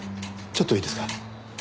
ちょっといいですか？